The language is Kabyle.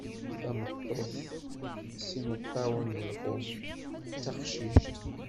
Tameṭṭut s yimeṭṭawen d lxuf: D taqcict.